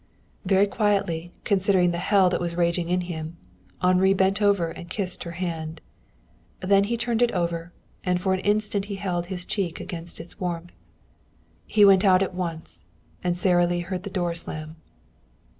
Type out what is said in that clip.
Very quietly, considering the hell that was raging in him, Henri bent over and kissed her hand. Then he turned it over, and for an instant he held his cheek against its warmth. He went out at once, and Sara Lee heard the door slam.